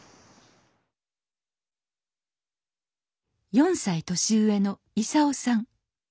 ４歳年上の勲さん。